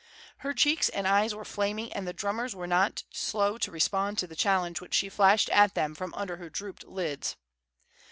Her cheeks and eyes were flaming, and the drummers were not slow to respond to the challenge which she flashed at them from under her drooped lids.